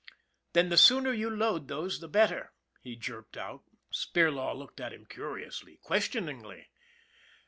" Then the sooner you load those the better," he jerked out. Spirlaw looked at him curiously, questioningly.